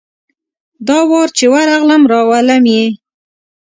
دا وار چي ورغلم ، راولم یې .